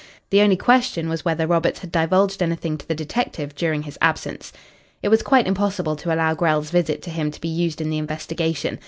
The only question was whether Roberts had divulged anything to the detective during his absence. It was quite impossible to allow Grell's visit to him to be used in the investigation.